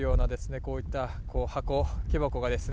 こういった箱木箱がですね